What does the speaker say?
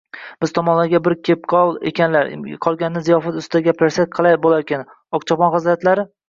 – Biz tomonlarga bir kepqolgan ekanlar, qolganini ziyofat ustida gaplashsak qalay bo‘larkin, Oqchopon hazratlari?